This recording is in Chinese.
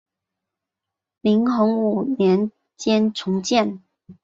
明洪武年间重建。